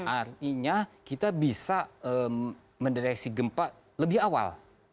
artinya kita bisa mendeteksi gempa lebih awal